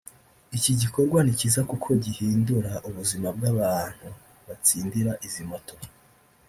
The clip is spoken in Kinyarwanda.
Iki gikorwa ni cyiza kuko gihindura ubuzima bw’abantu batsindira izi moto